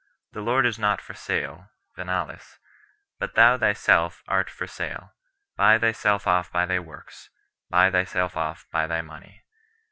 The Lord is not for sale (venalis), but thou thyself art for sale; buy thyself off by thy works, buy thyself off by thy money 6